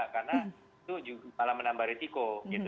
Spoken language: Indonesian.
karena itu malah menambah retiko